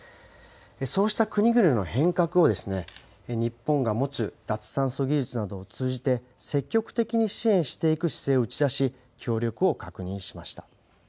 そうした国々の変革を、日本が持つ脱炭素技術などを通じて、積極的に支援していく姿勢を打ち出し、協力を確認しました。